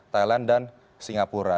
thailand dan singapura